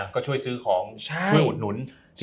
ก็ช่วยซื้อของช่วยอุดหนุน